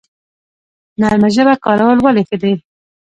نرمه ژبه کارول ولې ښه دي؟